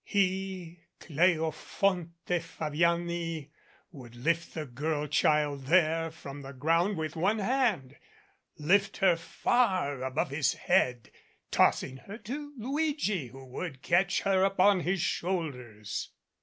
He, Cleofonte Fabiani, would lift the girl child there from the ground with one hand lift her far above his head, tossing her to Luigi, who would catch her upon his shoulders.